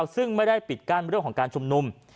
ซึ่งไม่ได้ปิดกั้นเรื่องของการชุมนุม